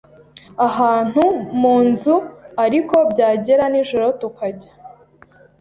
ahantu mu nzu ariko byagera nijoro tukajya